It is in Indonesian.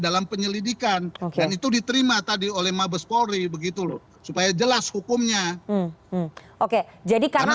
dalam penyelidikan dan itu diterima tadi oleh mabes polri begitu loh supaya jelas hukumnya oke jadi karena